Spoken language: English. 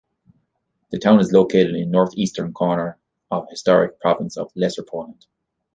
The town is located in northeastern corner of historic province of Lesser Poland.